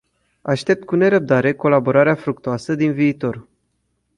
Aștept cu nerăbdare colaborarea fructuoasă din viitor.